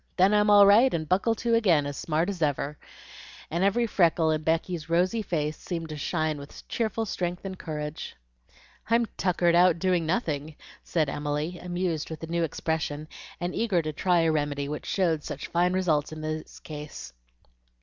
Then I'm all right, and buckle to again, as smart as ever;" and every freckle in Becky's rosy face seemed to shine with cheerful strength and courage. "I'm 'tuckered out' doing nothing," said Emily, amused with the new expression, and eager to try a remedy which showed such fine results in this case.